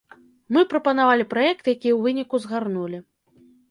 Мы прапанавалі праект, які ў выніку згарнулі.